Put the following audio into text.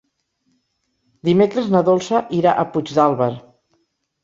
Dimecres na Dolça irà a Puigdàlber.